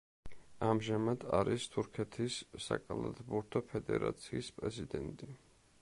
ამჟამად არის თურქეთის საკალათბურთო ფედერაციის პრეზიდენტი.